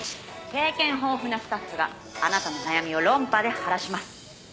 「経験豊富なスタッフがあなたの悩みを論破で晴らします」